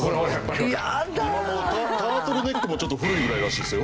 今もうタートルネックも古いぐらいらしいですよ。